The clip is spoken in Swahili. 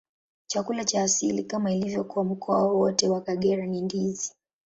Chakula cha asili, kama ilivyo kwa mkoa wote wa Kagera, ni ndizi.